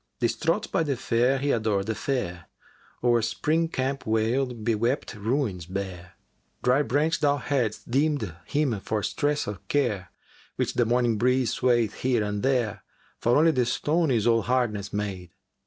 [FN#384] Distraught by the Fair he adored the Fair * O'er Spring camp wailed, bewept ruins bare.[FN#385] Dry branch thou hadst deemed him for stress o' care, * Which the morning breeze swayeth here and there, For only the stone is all hardness made!